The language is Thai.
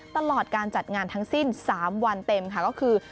ตลอดการจัดงานทั้งสิ้น๓วันเต็มค่ะก็คือ